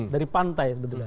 dari pantai sebetulnya